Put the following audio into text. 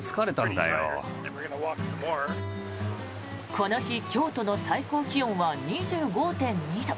この日、京都の最高気温は２５．２度。